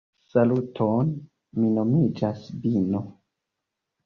Saluton, mi nomiĝas Bimo